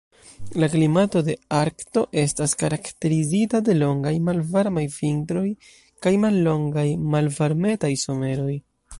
La klimato de Arkto estas karakterizita de longaj, malvarmaj vintroj kaj mallongaj, malvarmetaj someroj.